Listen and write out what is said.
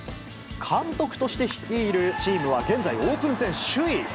監督として率いるチームは現在、オープン戦首位。